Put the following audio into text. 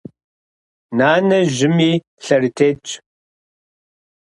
Нанэ жьыми, лъэрытетщ.